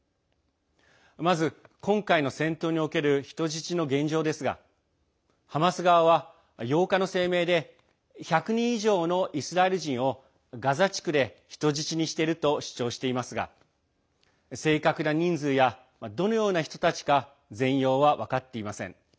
まず、今回の戦闘における人質の現状ですがハマス側は８日の声明で１００人以上のイスラエル人をガザ地区で人質にしていると主張していますが正確な人数やどのような人たちか全容は分かっていません。